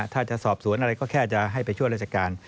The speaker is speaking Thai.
ถ้าจะสอบสวนอะไรก็แค่จะให้ไปช่วยราชการ